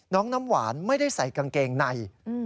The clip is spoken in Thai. น้ำหวานไม่ได้ใส่กางเกงใน